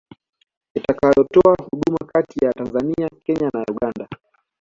itakayotoa huduma kati ya Tanzania Kenya na Uganda